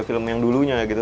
film yang dulunya gitu